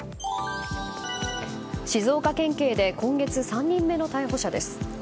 静岡県警で今月３人目の逮捕者です。